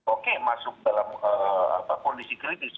oke masuk dalam kondisi kritis